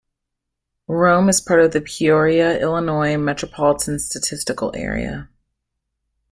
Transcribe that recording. Rome is part of the Peoria, Illinois Metropolitan Statistical Area.